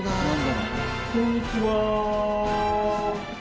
こんにちは！